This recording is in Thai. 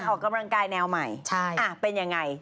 การออกกำลังกายแนวใหม่เป็นอย่างไร